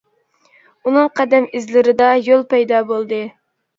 ئۇنىڭ قەدەم ئىزلىرىدا يول پەيدا بولدى.